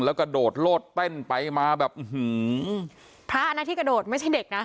แล้วก็โดดโลดเต้นไปมาแบบอื้อหือพระนะที่กระโดดไม่ใช่เด็กนะ